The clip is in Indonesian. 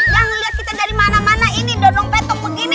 yang melihat kita dari mana mana ini donong petok begini